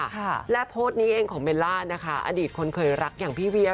อเรนนี่และโพสต์นี้ของเมล่าอดีตคนเคยรักอย่างพี่เวีย